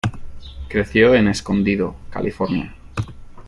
Creció en Escondido, California.